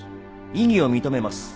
異議を認めます。